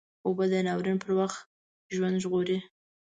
اوبه د ناورین پر وخت ژوند ژغوري